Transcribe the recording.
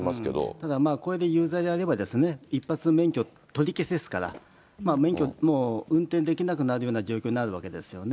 ただまあ、これで有罪であれば、一発免許取り消しですから、免許、もう運転できなくなるような状況になるわけですよね。